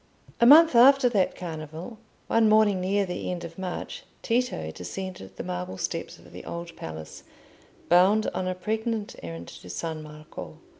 A month after that Carnival, one morning near the end of March, Tito descended the marble steps of the Old Palace, bound on a pregnant errand to San Marco.